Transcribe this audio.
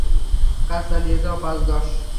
কাজ চালিয়ে যাও, পাঁচ, দশ।